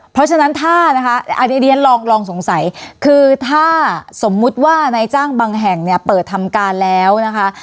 เพราะฉะนั้นถ้านะคะอันนี้เรียนลองสงสัยคือถ้าสมมุติว่านายจ้างบางแห่งเนี่ยเปิดทำการแล้วนะคะ